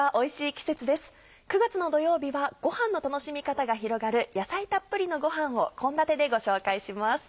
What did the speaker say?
季節です９月の土曜日はごはんの楽しみ方が広がる野菜たっぷりのごはんを献立でご紹介します。